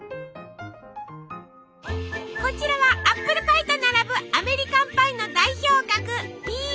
こちらはアップルパイと並ぶアメリカンパイの代表格